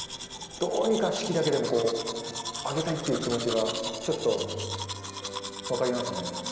どうにか士気だけでも上げたいっていう気持ちが、ちょっと分かりますね。